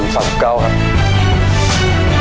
สัก๙ครับ